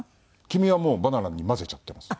黄身はもうバナナに混ぜちゃってます。